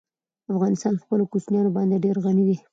افغانستان په خپلو کوچیانو باندې ډېر غني دی.